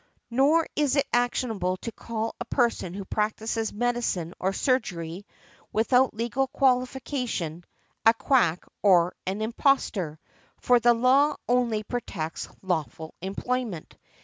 Nor is it actionable to call a person who practises medicine or surgery, without legal qualification, a "quack or an |134| impostor," for the law only protects lawful employment .